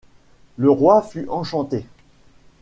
Le roi fut enchanté.